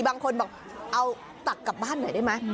บางคนบอกเอาตักกลับบ้านหน่อยได้ไหม